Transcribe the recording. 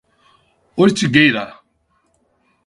Ortigueira